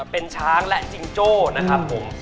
เป็นช้างและจิงโจ้นะครับผม